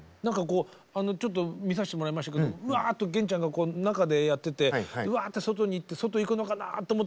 ちょっと見させてもらいましたけどうわっと源ちゃんが中でやっててうわって外に行って外行くのかなと思ったら直前でやめてましたね。